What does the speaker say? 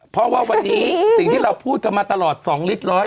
เพราะว่าวันนี้สิ่งที่เราพูดกันมาตลอด๒ลิตรร้อย